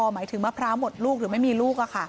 หมายถึงมะพร้าวหมดลูกหรือไม่มีลูก